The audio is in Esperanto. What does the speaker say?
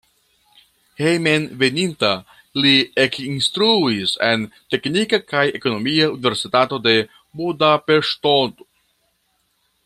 Hejmenveninta li ekinstruis en Teknika kaj Ekonomia Universitato de Budapeŝto.